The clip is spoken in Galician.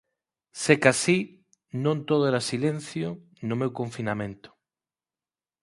Secasí, non todo era silencio no meu confinamento.